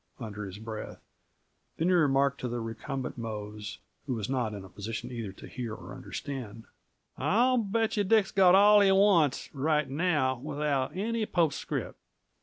under his breath. Then he remarked to the recumbent Mose, who was not in a condition either to hear or understand: "I'll bet you Dick's got all he wants, right now, without any postscript."